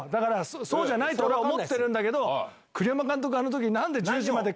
そうじゃないと俺は思ってるんだけど栗山監督。